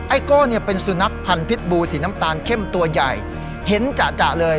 โก้เนี่ยเป็นสุนัขพันธ์พิษบูสีน้ำตาลเข้มตัวใหญ่เห็นจะเลย